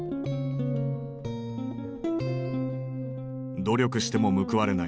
努力しても報われない。